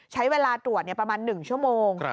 ใช้เวลาตรวจประมาณ๑ชั่วโมง